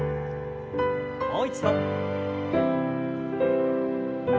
もう一度。